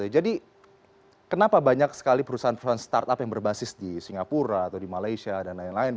jadi kenapa banyak sekali perusahaan perusahaan startup yang berbasis di singapura atau di malaysia dan lain lain